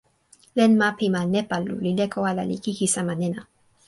len ma pi ma Nepalu li leko ala li kiki sama nena.